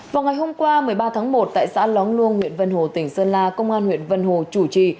vào ngày hôm qua một mươi ba tháng một tại xã lóng luông huyện vân hồ tỉnh sơn la công an huyện vân hồ chủ trì